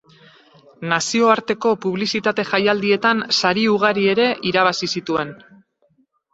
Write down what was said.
Nazioarteko publizitate jaialdietan sari ugari ere irabazi zituen.